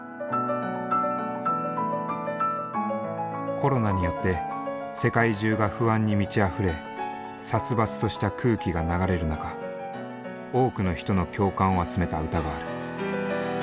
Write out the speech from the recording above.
コロナによって世界中が不安に満ちあふれ殺伐とした空気が流れる中多くの人の共感を集めた歌がある。